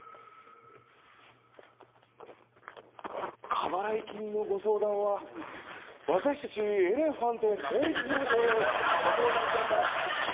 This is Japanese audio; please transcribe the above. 過払い金のご相談は私たちエレファント法律事務所へご相談ください。